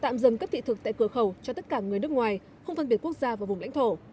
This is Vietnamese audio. tạm dừng các thị thực tại cửa khẩu cho tất cả người nước ngoài không phân biệt quốc gia và vùng lãnh thổ